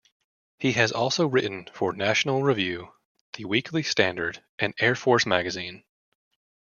He has also written for "National Review", "The Weekly Standard" and "Air Force Magazine".